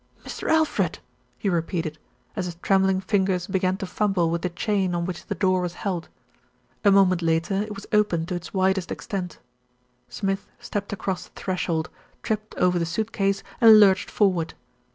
"Mr. Alfred!" he repeated, as his trembling fingers began to fumble with the chain on which the door was held. A moment later it was opened to its widest extent. Smith stepped across the threshold, tripped over the suit case and lurched forward.